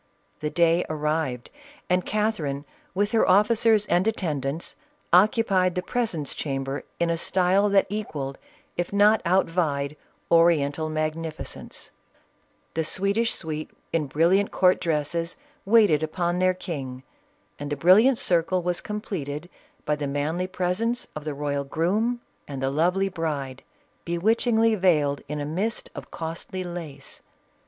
The day arrived, and Catherine, with her officers and attendants, occupied the presence chamber in a style that equalled, if not outvied, Oriental magnificence; the Swedish suite in splendid court dresses, waited upon their king, and the brilliant circle was completed by the manly presence of the royal groom and the lovely bride, bewitchingly veiled in a mist of costly lace.